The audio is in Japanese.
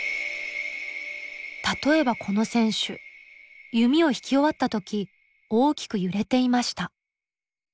例えばこの選手弓を引き終わった時大きく揺れていました。